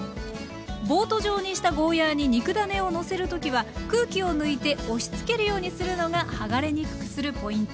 ボート上にしたゴーヤーに肉ダネをのせる時は空気を抜いて押しつけるようにするのがはがれにくくするポイント。